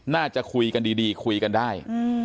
น่าจะคุยกันดีคุยกันได้